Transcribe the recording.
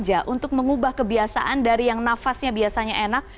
bekerja untuk mengubah kebiasaan dari yang nafasnya biasanya enak